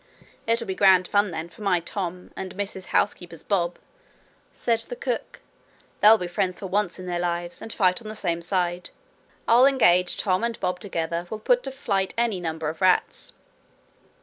'It'll be grand fun, then, for my Tom and Mrs Housekeeper's Bob,' said the cook. 'They'll be friends for once in their lives, and fight on the same side. I'll engage Tom and Bob together will put to flight any number of rats.'